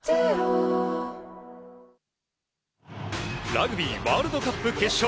ラグビーワールドカップ決勝。